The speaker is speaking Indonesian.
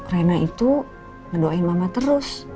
rena itu ngedoain mama terus